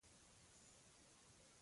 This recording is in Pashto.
د نرمو ږغونو اغېز ژور وي.